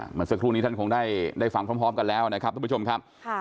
เหมือนสักครู่นี้ท่านคงได้ฟังพร้อมกันแล้วนะครับทุกผู้ชมครับ